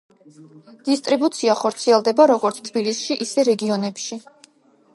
დისტრიბუცია ხორციელდება როგორც თბილისში, ისე რეგიონებში.